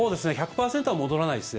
１００％は戻らないです